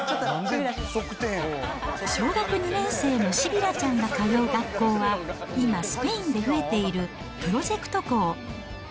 小学２年生のシビラちゃんが通う学校は、今、スペインで増えているプロジェクト校。